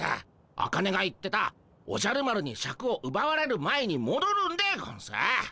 アカネが言ってたおじゃる丸にシャクをうばわれる前にもどるんでゴンス。